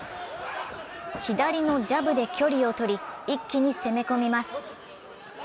左のジャブで距離をとり一気に攻め込みます。